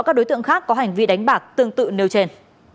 các đối tượng khác có hành vi đánh bạc tương tự nêu trên